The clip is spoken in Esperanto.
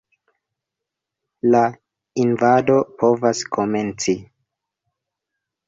La invado povas komenci.